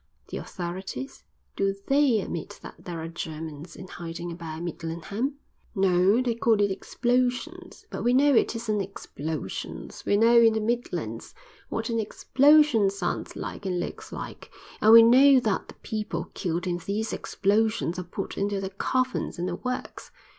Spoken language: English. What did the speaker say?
"The authorities? Do they admit that there are Germans in hiding about Midlingham?" "No. They call it 'explosions.' But we know it isn't explosions. We know in the Midlands what an explosion sounds like and looks like. And we know that the people killed in these 'explosions' are put into their coffins in the works.